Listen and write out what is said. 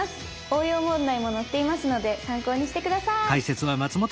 応用問題も載っていますので参考にして下さい。